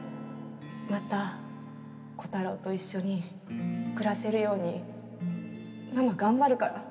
またコタローと一緒に暮らせるようにママ頑張るから。